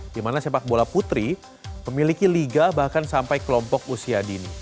dimana sepak bola putri memiliki liga bahkan sampai kelompok usia dini